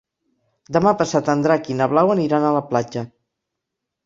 Demà passat en Drac i na Blau aniran a la platja.